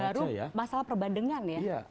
baru masalah perbandengan ya